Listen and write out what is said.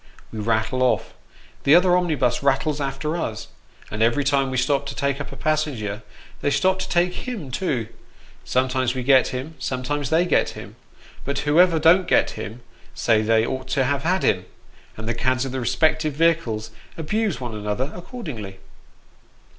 We rattle off, the other omnibus rattles after us, and every time we stop to take up a passenger, they stop to take him too ; sometimes we get him ; some IO4 Sketches by Boz. times they get him ; but whoever don't get him, say they ought to have had him, and the cads of the respective vehicles abuse one another accordingly.